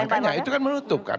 makanya itu kan menutupkan